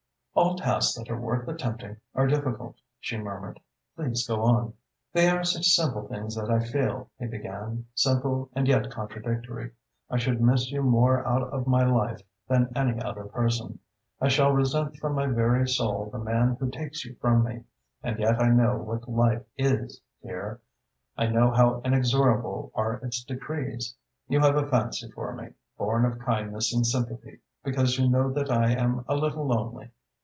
"All tasks that are worth attempting are difficult," she murmured. "Please go on." "They are such simple things that I feel," he began, "simple and yet contradictory. I should miss you more out of my life than any other person. I shall resent from my very soul the man who takes you from me. And yet I know what life is, dear. I know how inexorable are its decrees. You have a fancy for me, born of kindness and sympathy, because you know that I am a little lonely.